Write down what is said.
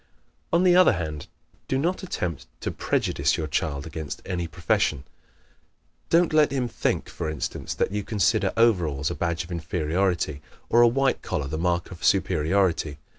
On the other hand, do not attempt to prejudice your child against any profession. Don't let him think, for instance, that you consider overalls a badge of inferiority, or a white collar the mark of superiority.